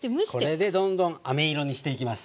これでどんどんあめ色にしていきます。